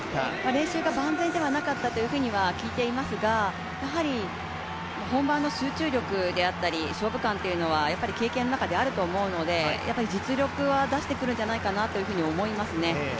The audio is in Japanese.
練習が万全ではなかったと聞いていますが、やはり本番の集中力、勝負勘というのはあると思うので、実力は出してくるんじゃないかなと思いますね。